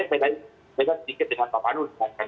itu saya beda sedikit dengan pak manu dengan vaksin